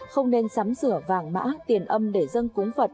không nên sắm sửa vàng mã tiền âm để dân cúng phật